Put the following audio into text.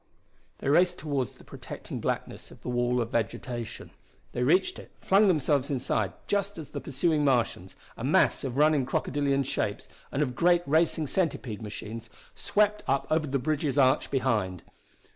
They raced toward the protecting blackness of that wall of vegetation. They reached it, flung themselves inside, just as the pursuing Martians, a mass of running crocodilian shapes and of great racing centipede machines, swept up over the bridge's arch behind.